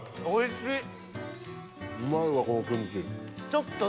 おいしっ！